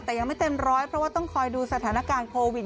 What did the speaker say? แต่ยังไม่เต็มร้อยเพราะว่าต้องคอยดูสถานการณ์โควิด